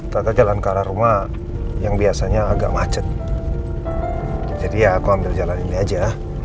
ternyata jalan ke arah rumah yang biasanya agak macet jadi ya aku ambil jalan ini aja